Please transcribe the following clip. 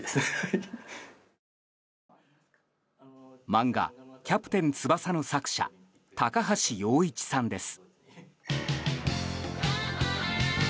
漫画「キャプテン翼」の作者高橋陽一さんです。